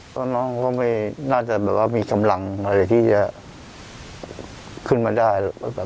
เพราะน้องก็ไม่น่าจะแบบว่ามีกำลังอะไรที่จะขึ้นมาได้